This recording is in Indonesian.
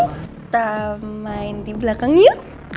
kita main di belakang yuk